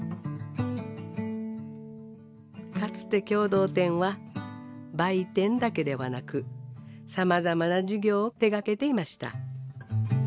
かつて共同店は売店だけではなくさまざまな事業を手がけていました。